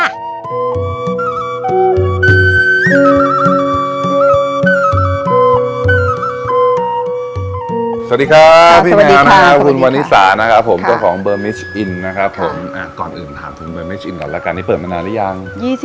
สวัสดีครับพี่แมวนะครับคุณวันนิสานะครับผมเจ้าของเบอร์มิชอินนะครับผมก่อนอื่นถามคุณเบอร์ไม่ชินก่อนแล้วกันนี่เปิดมานานหรือยัง